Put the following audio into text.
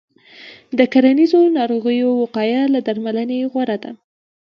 د کرنیزو ناروغیو وقایه له درملنې غوره ده.